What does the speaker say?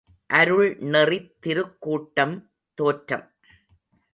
● அருள்நெறித் திருக்கூட்டம் தோற்றம்.